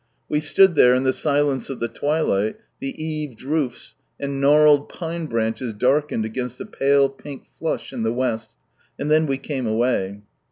We stood there, in the silence of the twilight, the eaved roofs, and gnarled pine branches darkened against the pale pink flush in the West — and then we came away.